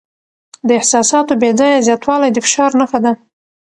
د احساساتو بې ځایه زیاتوالی د فشار نښه ده.